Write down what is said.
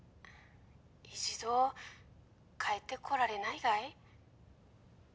一度帰ってこられないかい？